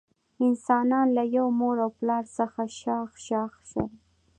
انسانان له یوه مور او پلار څخه شاخ شاخ شول.